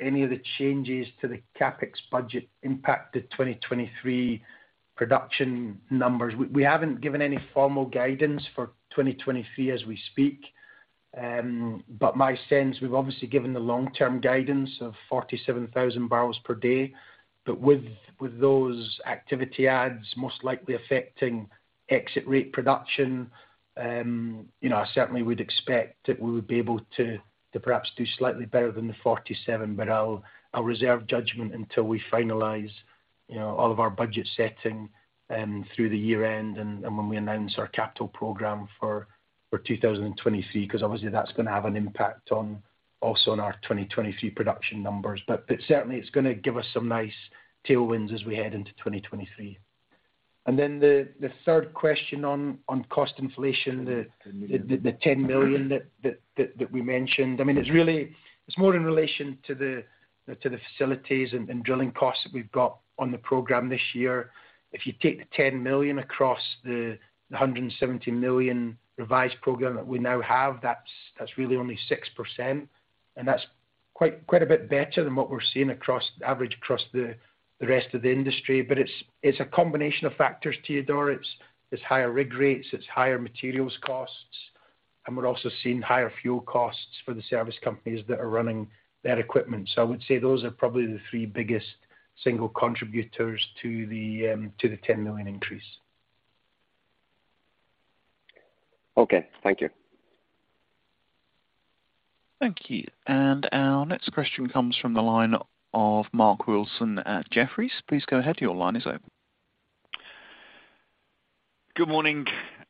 any of the changes to the CapEx budget impact the 2023 production numbers? We haven't given any formal guidance for 2023 as we speak. My sense, we've obviously given the long-term guidance of 47,000 barrels per day. With those activity adds most likely affecting exit rate production, you know, I certainly would expect that we would be able to perhaps do slightly better than the 47,000. I'll reserve judgment until we finalize, you know, all of our budget setting through the year end and when we announce our capital program for 2023, 'cause obviously that's gonna have an impact on also on our 2023 production numbers. Certainly it's gonna give us some nice tailwinds as we head into 2023. Then the third question on cost inflation, the $10 million that we mentioned. I mean, it's really, it's more in relation to the facilities and drilling costs that we've got on the program this year. If you take the $10 million across the $170 million revised program that we now have, that's really only 6%, and that's quite a bit better than what we're seeing across average across the rest of the industry. It's a combination of factors, Theodore. It's higher rig rates, it's higher materials costs, and we're also seeing higher fuel costs for the service companies that are running their equipment. I would say those are probably the three biggest single contributors to the $10 million increase. Okay. Thank you. Thank you. Our next question comes from the line of Mark Wilson at Jefferies. Please go ahead. Your line is open. Good morning,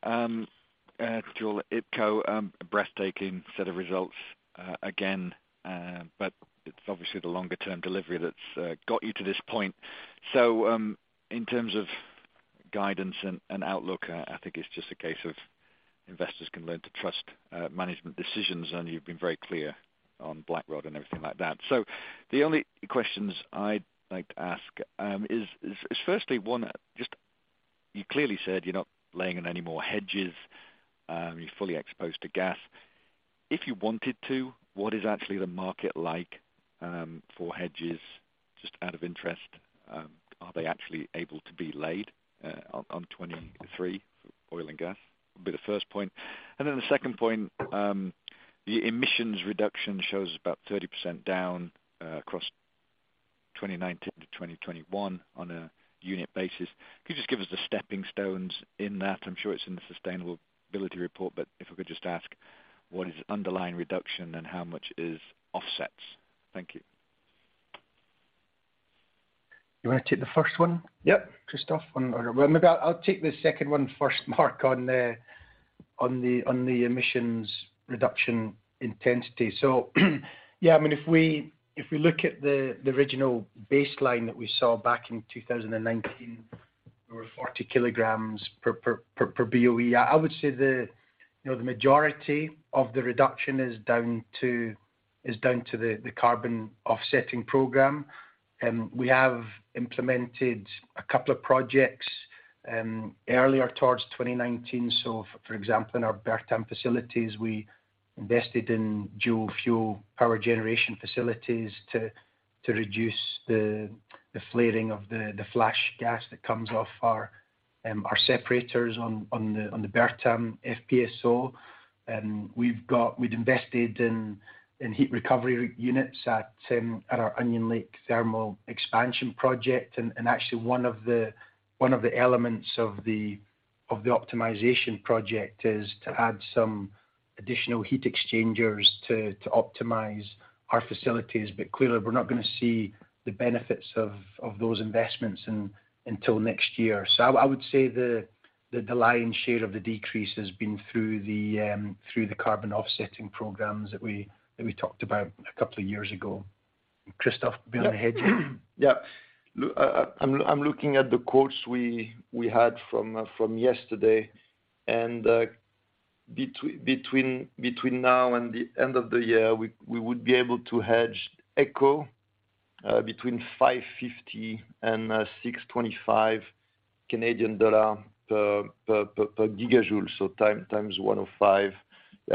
Joel, IPC. Breathtaking set of results again, but it's obviously the longer term delivery that's got you to this point. In terms of guidance and outlook, I think it's just a case of investors can learn to trust management decisions, and you've been very clear on Blackrod and everything like that. The only questions I'd like to ask is firstly on just you clearly said you're not laying in any more hedges, you're fully exposed to gas. If you wanted to, what is actually the market like for hedges, just out of interest, are they actually able to be laid on 2023 for oil and gas? Would be the first point. Then the second point, the emissions reduction shows about 30% down across 2019 to 2021 on a unit basis. Could you just give us the stepping stones in that? I'm sure it's in the sustainability report, but if I could just ask what is underlying reduction and how much is offsets? Thank you. You wanna take the first one? Yep. Christophe? Well, maybe I'll take the second one first, Mark, on the emissions reduction intensity. Yeah, I mean, if we look at the original baseline that we saw back in 2019, there were 40 kilograms per BOE. I would say you know, the majority of the reduction is down to the carbon offsetting program. We have implemented a couple of projects earlier towards 2019. For example, in our Bertam facilities, we invested in dual fuel power generation facilities to reduce the flaring of the flash gas that comes off our separators on the Bertam FPSO. We'd invested in heat recovery units at our Onion Lake thermal expansion project. Actually one of the elements of the optimization project is to add some additional heat exchangers to optimize our facilities. Clearly we're not gonna see the benefits of those investments until next year. I would say the lion's share of the decrease has been through the carbon offsetting programs that we talked about a couple of years ago. Christophe, do you wanna hedge? Yeah. Look, I'm looking at the quotes we had from yesterday. Between now and the end of the year, we would be able to hedge AECO between 5.50-6.25 Canadian dollar per gigajoule, so times 1.05,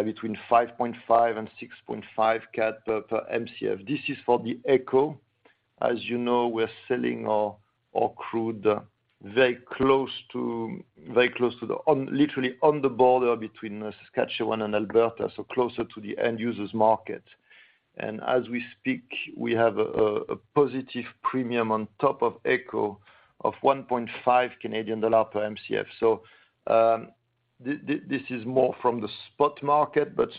between 5.5-6.5 CAD per MCF. This is for the AECO. As you know, we're selling our crude very close to the WCS, literally on the border between Saskatchewan and Alberta, so closer to the end user's market. As we speak, we have a positive premium on top of AECO of 1.5 Canadian dollar per MCF. This is more from the spot market, but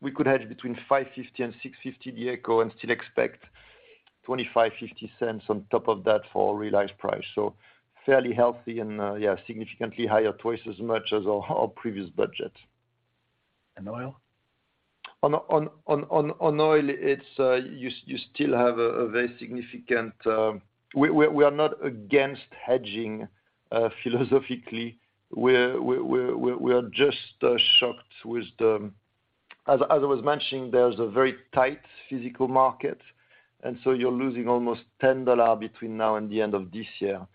we could hedge between $5.50 and $6.50 AECO and still expect $0.2550 on top of that for realized price. Fairly healthy and, yeah, significantly higher, twice as much as our previous budget. Oil? On oil, it's you still have a very significant. We are not against hedging philosophically. We're just shocked with the. As I was mentioning, there's a very tight physical market. You're losing almost $10 between now and the end of this year.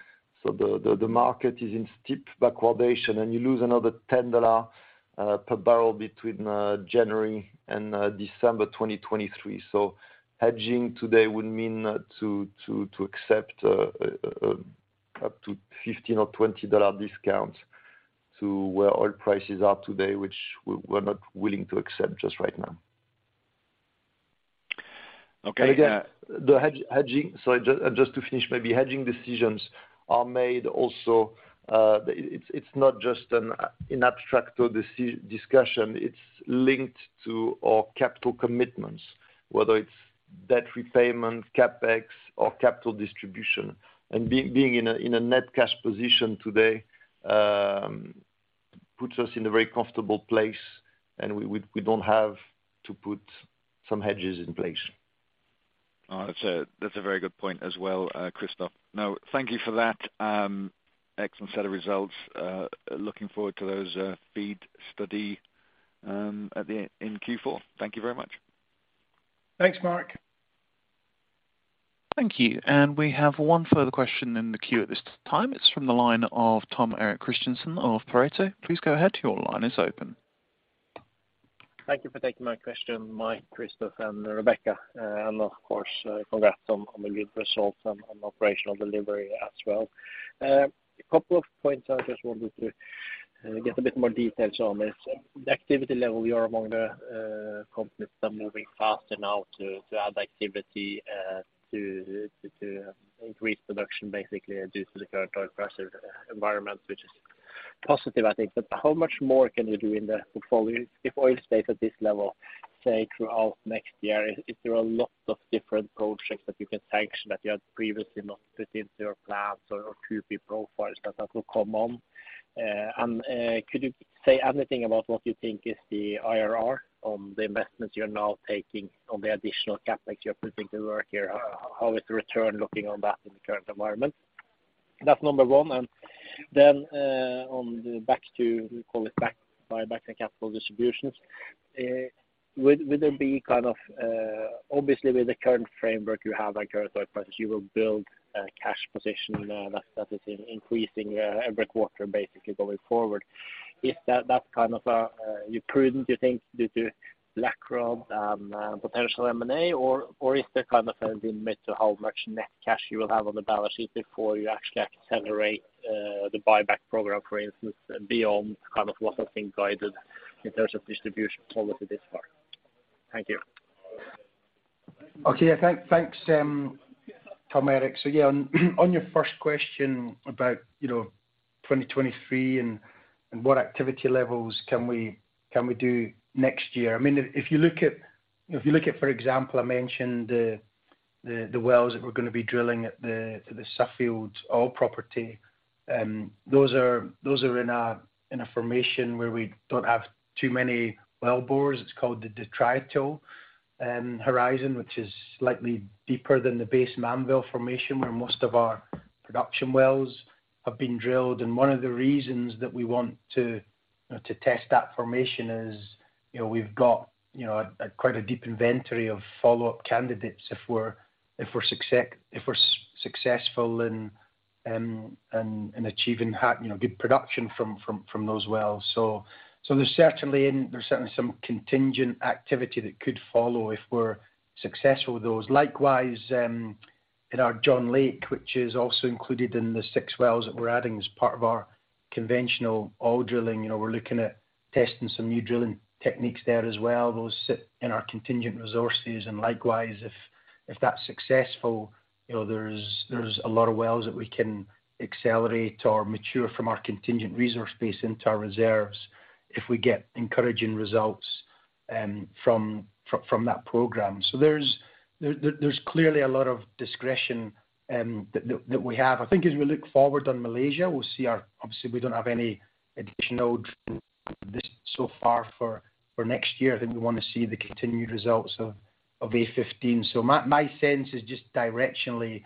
The market is in steep backwardation, and you lose another $10 per barrel between January and December 2023. Hedging today would mean to accept up to $15 or $20 discount to where oil prices are today, which we're not willing to accept just right now. Okay. Yeah. Just to finish, maybe hedging decisions are made also. It's not just an abstract discussion, it's linked to our capital commitments, whether it's debt repayment, CapEx or capital distribution. Being in a net cash position today puts us in a very comfortable place, and we don't have to put some hedges in place. That's a very good point as well, Christophe. No, thank you for that, excellent set of results. Looking forward to those FEED study at the end in Q4. Thank you very much. Thanks, Mark. Thank you. We have one further question in the queue at this time. It's from the line of Tom Erik Kristiansen of Pareto. Please go ahead. Your line is open. Thank you for taking my question, Mike, Christophe and Rebecca. Of course, congrats on the good results and on operational delivery as well. A couple of points I just wanted to get a bit more details on is the activity level. You are among the companies that are moving faster now to add activity to increase production basically due to the current oil price environment, which is positive, I think. How much more can you do in the portfolio if oil stays at this level, say throughout next year? Is there a lot of different projects that you can sanction that you had previously not put into your plans or to be profiles that will come on? Could you say anything about what you think is the IRR on the investments you're now taking on the additional CapEx you're putting to work here? How is the return looking on that in the current environment? That's number one. On the buyback and capital distributions, would there be kind of obviously with the current framework you have and current oil prices, you will build a cash position that is increasing every quarter basically going forward. Is that kind of your prudence, you think, due to Blackrod potential M&A, or is there kind of a limit to how much net cash you will have on the balance sheet before you actually accelerate the buyback program, for instance, beyond kind of what I think guided in terms of distribution policy this far? Thank you. Okay. Yeah. Thanks, Tom Erik. Yeah, on your first question about 2023 and what activity levels can we do next year. I mean, if you look at, for example, I mentioned the wells that we're gonna be drilling at the Suffield oil property, those are in a formation where we don't have too many wellbores. It's called the Detrital Horizon, which is slightly deeper than the base Mannville formation where most of our production wells have been drilled. One of the reasons that we want to test that formation is, you know, we've got, you know, a quite a deep inventory of follow-up candidates if we're successful in achieving you know, good production from those wells. So there's certainly some contingent activity that could follow if we're successful with those. Likewise, in our Onion Lake, which is also included in the 6 wells that we're adding as part of our conventional oil drilling. You know, we're looking at testing some new drilling techniques there as well. Those sit in our contingent resources. Likewise, if that's successful, you know, there's a lot of wells that we can accelerate or mature from our contingent resource base into our reserves if we get encouraging results from that program. There's clearly a lot of discretion that we have. I think as we look forward on Malaysia, we'll see obviously we don't have any additional drilling thus far for next year. I think we wanna see the continued results of A-15. My sense is just directionally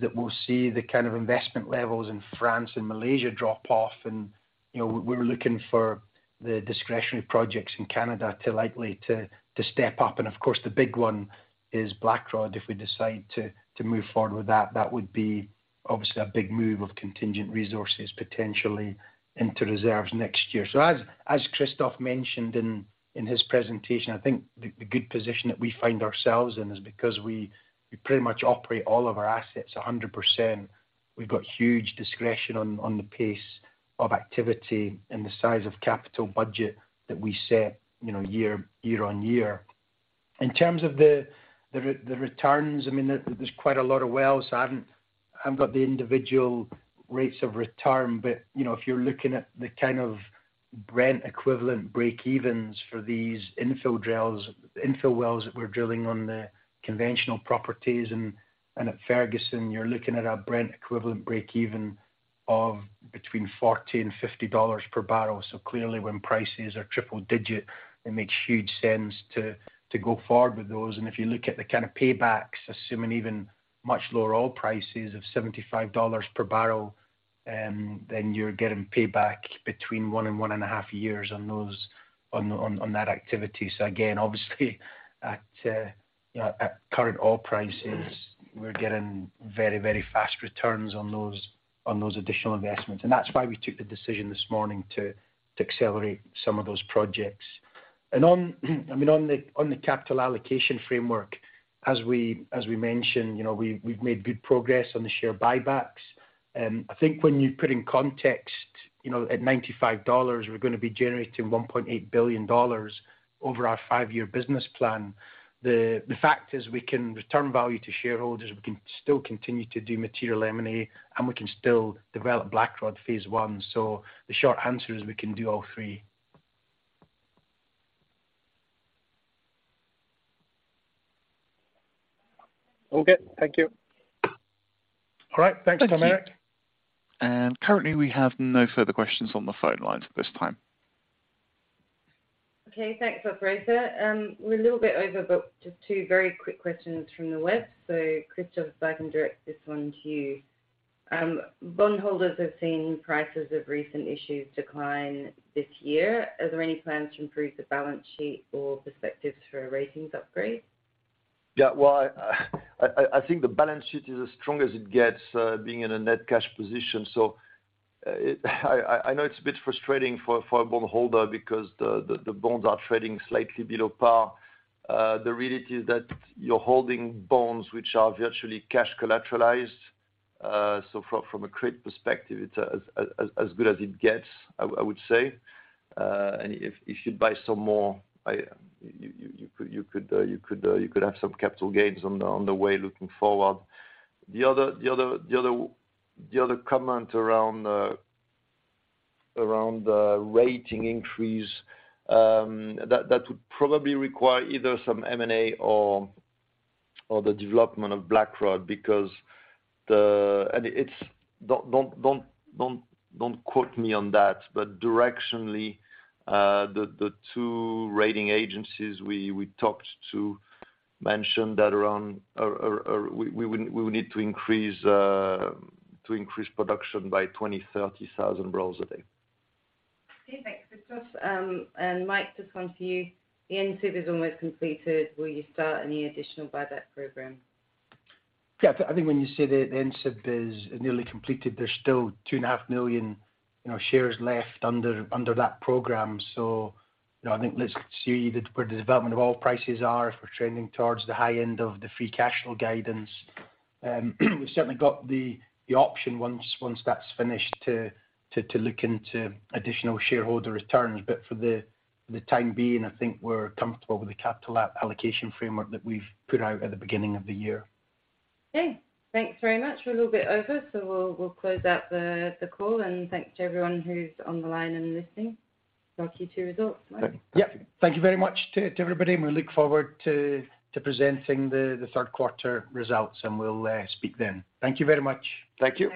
that we'll see the kind of investment levels in France and Malaysia drop off and, you know, we're looking for the discretionary projects in Canada to step up. Of course, the big one is Blackrod. If we decide to move forward with that would be obviously a big move of contingent resources potentially into reserves next year. As Christophe mentioned in his presentation, I think the good position that we find ourselves in is because we pretty much operate all of our assets 100%. We've got huge discretion on the pace of activity and the size of capital budget that we set, you know, year on year. In terms of the returns, I mean, there's quite a lot of wells. I haven't got the individual rates of return. You know, if you're looking at the kind of Brent equivalent breakevens for these infill drills, infill wells that we're drilling on the conventional properties and at Ferguson, you're looking at a Brent equivalent breakeven of between $40-$50 per barrel. Clearly when prices are triple digit, it makes huge sense to go forward with those. If you look at the kind of paybacks, assuming even much lower oil prices of $75 per barrel, you're getting payback between one and 1.5 years on that activity. Again, obviously at current oil prices, we're getting very fast returns on those additional investments. That's why we took the decision this morning to accelerate some of those projects. On the capital allocation framework, as we mentioned, you know, we've made good progress on the share buybacks. I think when you put in context, you know, at $95, we're gonna be generating $1.8 billion over our five-year business plan. The fact is we can return value to shareholders, we can still continue to do material M&A, and we can still develop Blackrod Phase 1. The short answer is we can do all three. Okay, thank you. All right. Thanks, Tom Erik. Currently, we have no further questions on the phone lines at this time. Okay. Thanks, operator. We're a little bit over, but just two very quick questions from the web. Christophe, if I can direct this one to you. Bondholders have seen prices of recent issues decline this year. Are there any plans to improve the balance sheet or perspectives for a ratings upgrade? Yeah, well, I think the balance sheet is as strong as it gets, being in a net cash position. I know it's a bit frustrating for a bondholder because the bonds are trading slightly below par. The reality is that you're holding bonds which are virtually cash collateralized. From a credit perspective, it's as good as it gets, I would say. If you buy some more, you could have some capital gains on the way looking forward. The other comment around rating increase, that would probably require either some M&A or the development of Blackrod because the... Don't quote me on that, but directionally, the two rating agencies we talked to mentioned that around or we would need to increase production by 20,000-30,000 barrels a day. Okay, thanks, Christophe. Mike, this one's for you. The NCIB is almost completed. Will you start any additional buyback program? Yeah. I think when you say the NCIB is nearly completed, there's still 2.5 million shares left under that program. You know, I think let's see where the development of oil prices are, if we're trending towards the high end of the free cash flow guidance. We've certainly got the option once that's finished to look into additional shareholder returns. For the time being, I think we're comfortable with the capital allocation framework that we've put out at the beginning of the year. Okay, thanks very much. We're a little bit over, so we'll close out the call, and thanks to everyone who's on the line and listening. Talk to you, results, Mike. Yeah. Thank you very much to everybody, and we look forward to presenting the third quarter results, and we'll speak then. Thank you very much. Thank you.